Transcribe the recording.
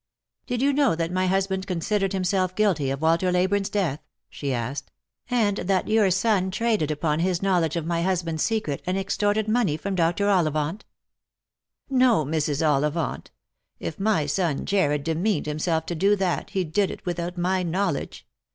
" Did you know that my husband considered himself guilty of "Walter Leyburne's death," she asked ;" and that your son traded upon his knowledge of my husband's secret, and ex torted money from Dr. OllivantP "" No, Mrs. Ollivant; if my son Jarred demeaned himself to do that, he did it without my knowledge.